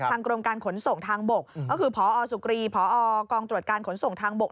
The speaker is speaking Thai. กรมการขนส่งทางบกก็คือพอสุกรีพอกองตรวจการขนส่งทางบก